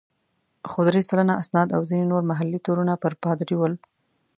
خو درې سلنه اسناد او ځینې نور محلي تورونه پر پادري ول.